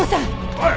おい！